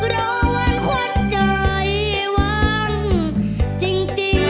รอวันควันใจวันจริง